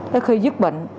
tới khi dứt bệnh